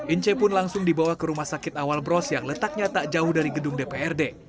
ince pun langsung dibawa ke rumah sakit awal bros yang letaknya tak jauh dari gedung dprd